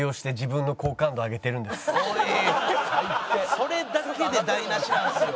それだけで台無しなんですよ。